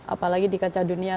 apalagi di kaca dunia